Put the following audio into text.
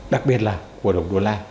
đặc biệt là của đồng đô la